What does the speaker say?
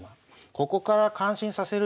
ここから感心させる順でした。